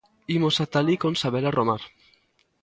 Imos ata alí con Sabela Romar.